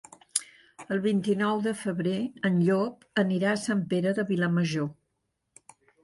El vint-i-nou de febrer en Llop anirà a Sant Pere de Vilamajor.